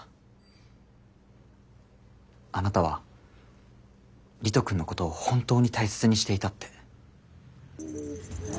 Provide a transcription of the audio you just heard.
あなたは理人くんのことを本当に大切にしていたって。